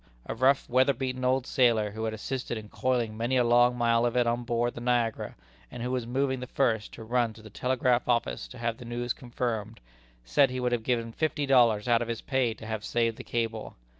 A rough, weather beaten old sailor, who had assisted in coiling many a long mile of it on board the Niagara, and who was among the first to run to the telegraph office to have the news confirmed, said he would have given fifty dollars out of his pay to have saved that cable.